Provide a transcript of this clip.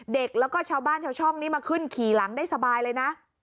เด็กแล้วก็ชาวบ้านชาวช่องนี้มาขึ้นขี่หลังได้สบายเลยนะ